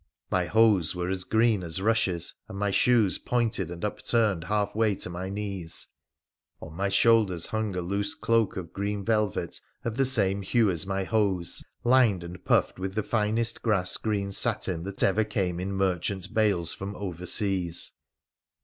My hose were as green as rushes, and my shoes pointed and upturned halfway to my knees. On my shoulders hung a loose cloak of green velvet of the same hue as my hose, lined and puffed with the finest grass green satin that ever came in merchant bales from over seas.